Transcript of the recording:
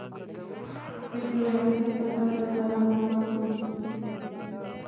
د پلورنځي فضا باید آرامه او پاکه وي.